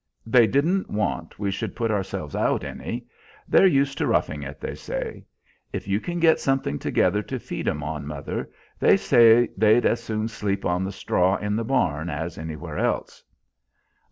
"They don't want we should put ourselves out any. They're used to roughin' it, they say. If you can git together somethin' to feed 'em on, mother, they say they'd as soon sleep on the straw in the barn as anywheres else."